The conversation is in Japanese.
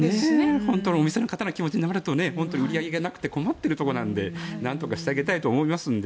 本当にお店の方の気持ちになると売り上げがなくて困っているところなのでなんとかしてあげたいですよね。